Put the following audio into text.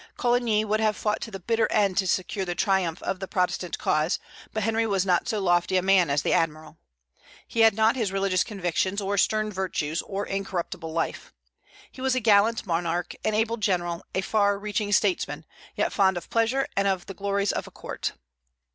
Coligny would have fought to the bitter end to secure the triumph of the Protestant cause; but Henry was not so lofty a man as the Admiral, he had not his religious convictions, or stern virtues, or incorruptible life. He was a gallant monarch, an able general, a far reaching statesman, yet fond of pleasure and of the glories of a court.